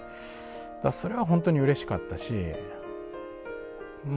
それはほんとにうれしかったしま